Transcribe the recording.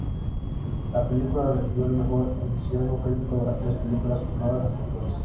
La película recibió el menor entusiasmo crítico de las tres películas filmadas hasta entonces.